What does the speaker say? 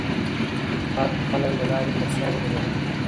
خلک د لارې پر سر ودرېدل.